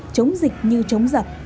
chống dịch như chống giặc